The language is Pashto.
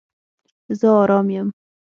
زه آرام یم